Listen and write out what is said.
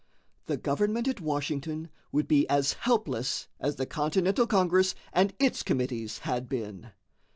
The government at Washington would be as helpless as the Continental Congress and its committees had been.